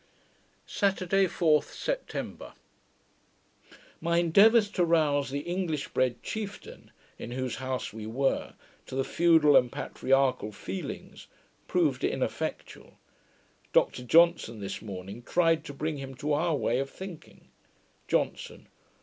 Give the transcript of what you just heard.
Saturday, 4th September My endeavours to rouse the English bred chieftain, in whose house we were, to the feudal and patriarchal feelings, proving ineffectual, Dr Johnson this morning tried to bring him to our way of thinking. JOHNSON.